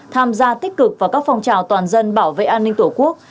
tham gia tích cực vào các phong trào toàn dân bảo vệ an ninh tổ quốc